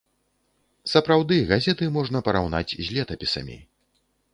Сапраўды, газеты можна параўнаць з летапісамі.